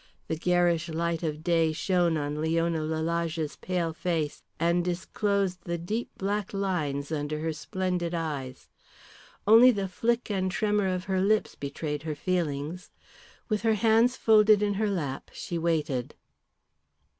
The garish light of day shone on Leon Lalage's pale face, and disclosed the deep black lines under her splendid eyes. Only the flick and tremor of her lips betrayed her feelings. With her hands folded in her lap she waited.